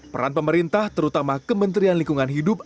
peran pemerintah terutama kementerian lingkungan hidup